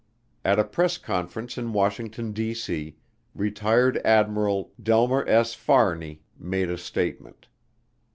At a press conference in Washington, D.C., Retired Admiral Delmer S. Fahrney made a statement.